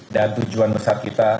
dan tujuan besar kita